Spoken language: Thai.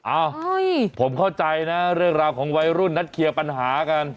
เอ้าผมเข้าใจนะเรื่องราวของวัยรุ่นนัดเคลียร์ปัญหากัน